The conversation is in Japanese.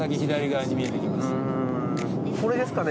これですかね？